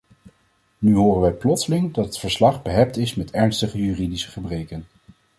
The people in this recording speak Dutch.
Nu horen wij plotseling dat het verslag behept is met ernstige juridische gebreken.